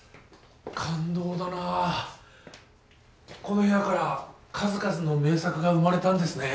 この部屋から数々の名作が生まれたんですね。